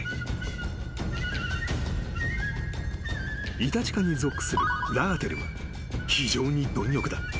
［イタチ科に属するラーテルは非常に貪欲だ］